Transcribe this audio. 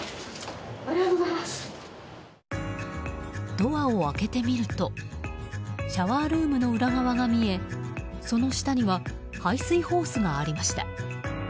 ドアを開けてみるとシャワールームの裏側が見えその下には排水ホースがありました。